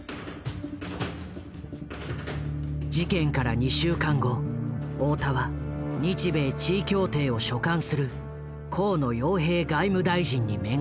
事件から２週間後大田は日米地位協定を所管する河野洋平外務大臣に面会。